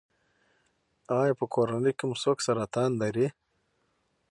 ایا په کورنۍ کې مو څوک سرطان لري؟